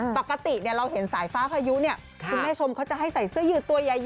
ปกติเราเห็นสายฟ้าพายุเนี่ยคุณแม่ชมเขาจะให้ใส่เสื้อยืดตัวใหญ่